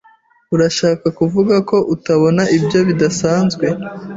Urashaka kuvuga ko utabona ibyo bidasanzwe?